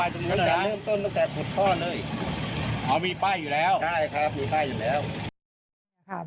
ใช่ครับมีป้ายอยู่แล้ว